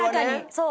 そう。